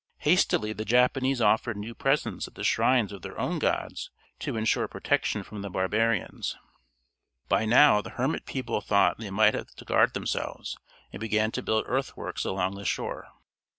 Hastily the Japanese offered new presents at the shrines of their own gods to ensure protection from the barbarians. 8 By now the hermit people thought they might have to guard themselves, and began to build earthworks along the shore.